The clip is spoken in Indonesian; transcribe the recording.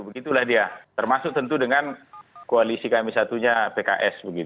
begitulah dia termasuk tentu dengan koalisi kami satunya pks